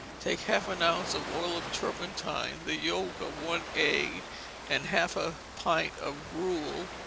Take half an ounce of oil of turpentine, the yolk of one egg, and half a pint of gruel.